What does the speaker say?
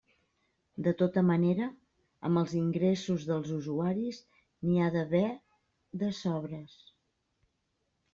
De tota manera, amb els ingressos dels usuaris n'hi ha d'haver de sobres.